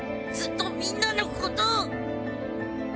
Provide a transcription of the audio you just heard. ずっとみんなのことを。